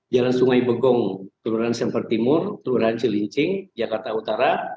jalan sungai begong kelurahan sempertimur kelurahan celincing jakarta utara